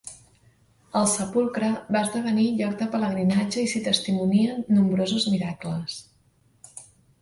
El sepulcre va esdevenir lloc de pelegrinatge i s'hi testimonien nombrosos miracles.